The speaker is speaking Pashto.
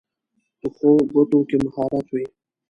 پخو ګوتو کې مهارت وي